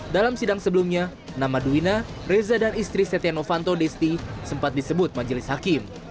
dalam sidang sebelumnya nama duwina reza dan istri setia novanto desti sempat disebut majelis hakim